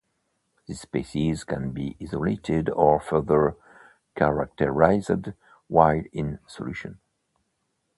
This species can then be isolated or further characterized while in solution.